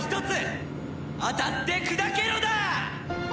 「当たって砕けろ」だ！